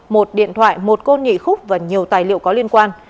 một điện thoại một côn nhị khúc và nhiều tài liệu có liên quan